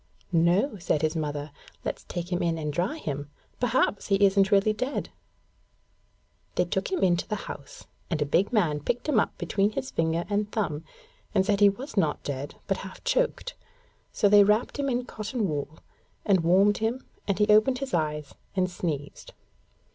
'No,' said his mother; 'let's take him in and dry him. Perhaps he isn't really dead.' They took him into the house, and a big man picked him up between his finger and thumb, and said he was not dead but half choked; so they wrapped him in cotton wool, and warmed him and he opened his eyes and sneezed.